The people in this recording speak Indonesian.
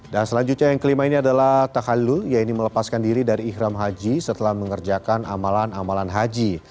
dan selanjutnya yang kelima ini adalah tahallul yaitu melepaskan diri dari ikhram haji setelah mengerjakan amalan amalan haji